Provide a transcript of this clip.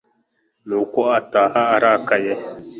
nuko ataha arakaye